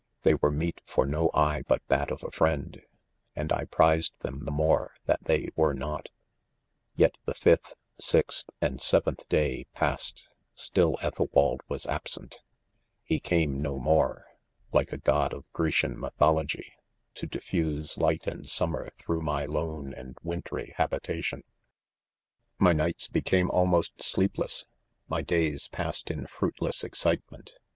They were meet for\ne eye but that of a friend, and I prized them the more that they were not, ' Yet the fifth, sixth, and seventh day pass ed ;— ■still Ethelwald was absent,, He came no more, like a god of Grecian mythology, to dif fuse light and summer through my lone and wintry habitation. c My nights became almost sleepless— my days passed in fruitless excitement.